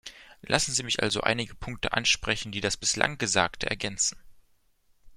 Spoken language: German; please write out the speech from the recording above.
Lassen Sie mich also einige Punkte ansprechen, die das bislang Gesagte ergänzen.